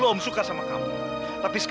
ntar gue susah demokrat arif